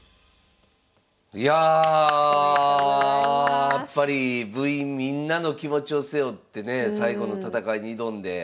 やっぱり部員みんなの気持ちを背負ってね最後の戦いに挑んで。